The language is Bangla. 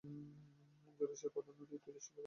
জলাশয় প্রধান নদী: তুলসিগঙ্গা, চিরি ও নাগর নদী।